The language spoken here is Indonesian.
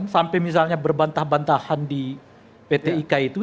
sampai misalnya berbantah bantahan di pt ika itu